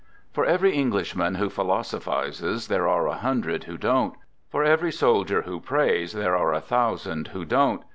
For every Englishman who philosophizes, there are a hundred who don't. For every soldier who prays, there are a thousand who don't.